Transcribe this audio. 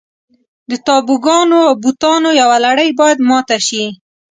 د تابوګانو او بوتانو یوه لړۍ باید ماته شي.